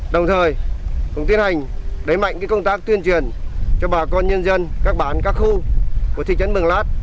đồng thời cũng tiến hành đẩy mạnh công tác tuyên truyền cho bà con nhân dân các bán các khu của thị trấn mường lát